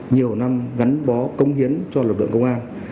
nhiều năm gắn bó công hiến cho lực lượng công an